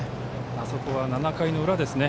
あそこは７回の裏ですね。